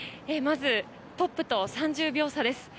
トップと３０秒差です。